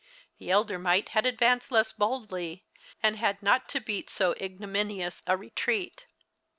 The elder mite had advanced less boldly, and had not to beat so ignominious a retreat.